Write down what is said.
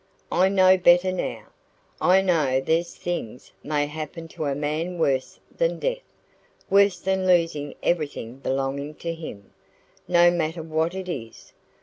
I know better now. I know there's things may happen to a man worse than death worse than losing everything belonging to him, no matter what it is.